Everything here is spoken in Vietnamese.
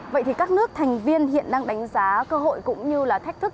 vậy thì các nước thành viên hiện đang đánh giá cơ hội cũng như là thách thức